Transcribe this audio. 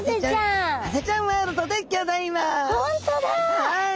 はい！